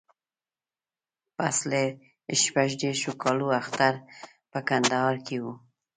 پسله شپږ دیرشو کالو اختر په کندهار کې و.